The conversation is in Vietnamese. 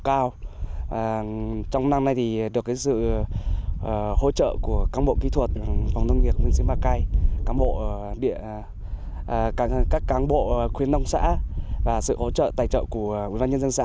các bộ kỹ thuật phòng nông nghiệp huyện simacai các bộ khuyến nông xã và sự hỗ trợ tài trợ của quý văn nhân dân xã